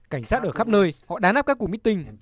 cảnh sát ở khắp nơi họ đá nắp các cuộc mít tình